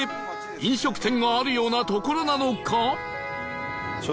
飲食店があるような所なのか？